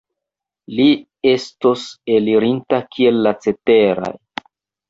Li estos elirinta kiel la ceteraj.